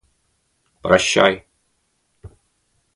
Прощай!